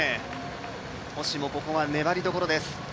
星もここは粘りどころです。